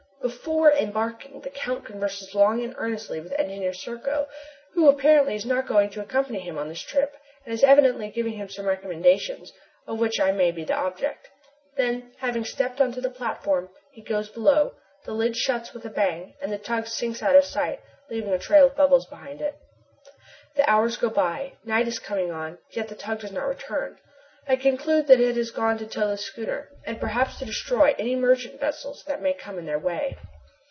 Before embarking, the Count converses long and earnestly with Engineer Serko, who, apparently, is not going to accompany him on this trip, and is evidently giving him some recommendations, of which I may be the object. Then, having stepped on to the platform, he goes below, the lid shuts with a bang, and the tug sinks out of sight, leaving a trail of bubbles behind it. The hours go by, night is coming on, yet the tug does not return. I conclude that it has gone to tow the schooner, and perhaps to destroy any merchant vessels that may come in their way.